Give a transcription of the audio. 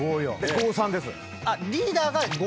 ５２です。